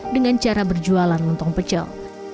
dengan cara berjualan lontong pecel